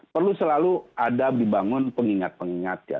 perlu selalu ada dibangun pengingat pengingat ya